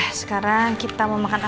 nah sekarang kita mau makan